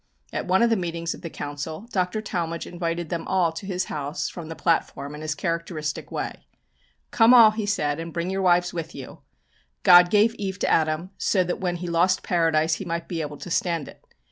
At one of the meetings of the Council Dr. Talmage invited them all to his house from the platform in his characteristic way. "Come all," he said, "and bring your wives with you. God gave Eve to Adam so that when he lost Paradise he might be able to stand it.